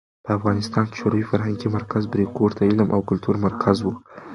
په افغانستان کې شوروي فرهنګي مرکز "بریکوټ" د علم او کلتور مرکز و.